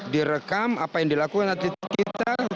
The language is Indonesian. direkam apa yang dilakukan atlet kita